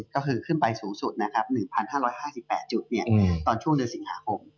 ก็คือขึ้นไปสูงสุดนะครับ๑๕๕๘จุดตอนช่วงเดือนสิงหาคม